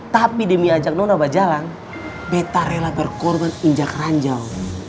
tapi demi ajak nonobah berjalan beta rela berkorban injak ranjau